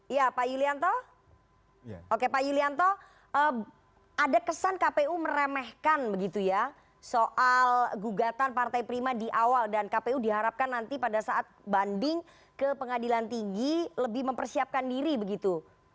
ya pak yulianto oke pak yulianto ada kesan kpu meremehkan begitu ya soal gugatan partai prima di awal dan kpu diharapkan nanti pada saat banding ke pengadilan tinggi lebih mempersiapkan diri begitu